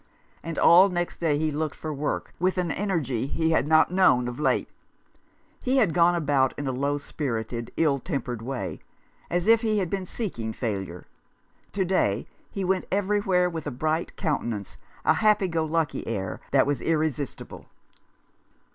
And all next day he looked for work with an energy he had not known of late. He had gone about in a low spirited, ill tempered way, as if he had been seeking failure. To day he went everywhere with a bright countenance, a happy go lucky air that was irresistible.